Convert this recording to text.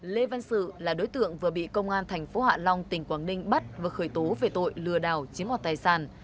lê văn sự là đối tượng vừa bị công an thành phố hạ long tỉnh quảng ninh bắt và khởi tố về tội lừa đảo chiếm hoạt tài sản